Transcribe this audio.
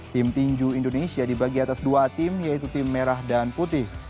tim tinju indonesia dibagi atas dua tim yaitu tim merah dan putih